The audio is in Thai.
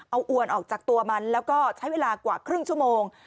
เอาอวนออกจากตัวมันแล้วก็ใช้เวลากว่าครึ่งชั่วโมง